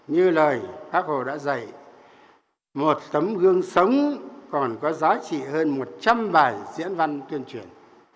như lời bác hồ đã dạy một tấm gương sống còn có giá trị hơn một trăm linh bài diễn văn tuyên truyền